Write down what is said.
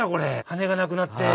羽がなくなって。